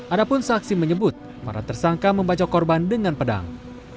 adapun saksi menyebut para tersangka membacok korban dengan pedang